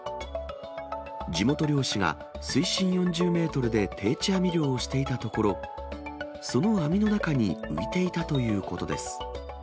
地元漁師が水深４０メートルで定置網漁をしていたところ、その網の中に浮いていたということです。